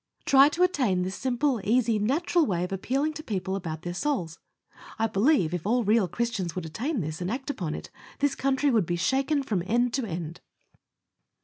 Try to attain this simple, easy, natural way of appealing to people about their souls. I believe if all real Christians would attain this, and act upon it, this country would be shaken from end to end!